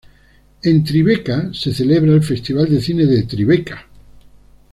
En Tribeca se celebra el Festival de Cine de TriBeCa.